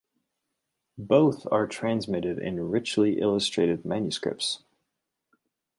Both are transmitted in richly illustrated manuscripts.